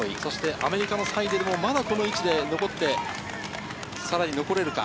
アメリカのサイデルも、まだこの位置で残って、さらに残れるか。